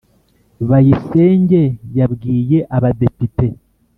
bayisenge yabwiye abadepite